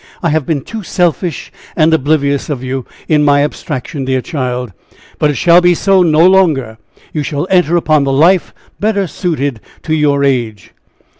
I have been too selfish and oblivious of you, in my abstraction, dear child; but it shall be so no longer. You shall enter upon the life better suited to your age."